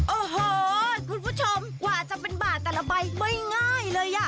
โอ้โหคุณผู้ชมกว่าจะเป็นบาทแต่ละใบไม่ง่ายเลยอ่ะ